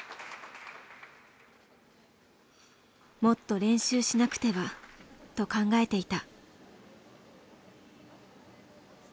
「もっと練習しなくては」と考えていた。